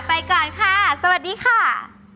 ไปก่อนค่ะสวัสดีค่ะ